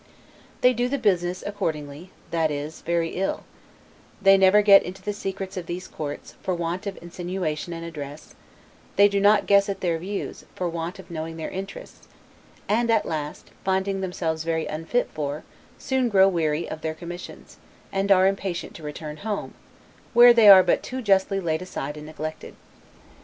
They do the business accordingly, that is, very ill: they never get into the secrets of these courts, for want of insinuation and address: they do not guess at their views, for want of knowing their interests: and, at last, finding themselves very unfit for, soon grow weary of their commissions, and are impatient to return home, where they are but too justly laid aside and neglected.